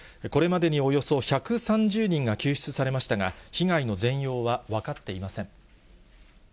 これまでにおよそ１３０人が救出されましたが、被害の全容は分かっていません。